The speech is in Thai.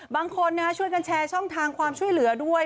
บางคนช่วยกันแชร์ช่องทางความช่วยเหลือด้วย